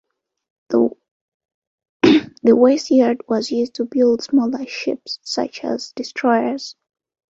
The west yard was used to build smaller ships such as destroyers.